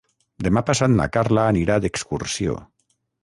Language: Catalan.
Demà passat na Carla anirà d'excursió.